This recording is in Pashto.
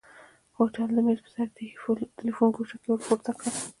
هوټلي د مېز پر سر د ايښي تليفون ګوشۍ ورپورته کړه.